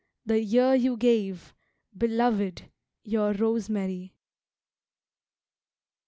The year you gave, beloved, your rosemary.